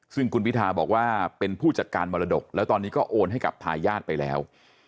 ซึ่งคุณพิทาบอกว่าเป็นผู้จัดการมรดกแล้วตอนนี้ก็โอนให้กับทายาทไปแล้ว